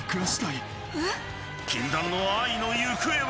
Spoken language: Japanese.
禁断の愛の行方は。